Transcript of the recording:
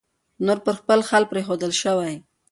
نور پر خپل حال پرېښودل شوی